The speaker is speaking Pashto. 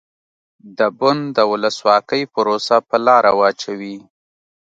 د بن د ولسواکۍ پروسه په لاره واچوي.